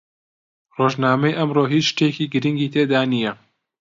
ڕۆژنامەی ئەمڕۆ هیچ شتێکی گرنگی تێدا نییە.